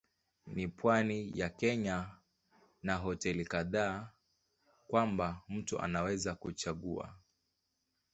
Ni pwani ya Kenya na hoteli kadhaa kwamba mtu anaweza kuchagua.